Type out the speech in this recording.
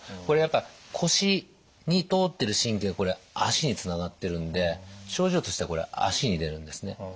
これやっぱ腰に通ってる神経が足につながってるんで症状としては足に出るんですね。